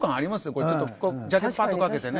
これちょっとジャケットパッとかけてね。